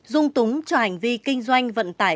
dung túng cho hành vi kinh doanh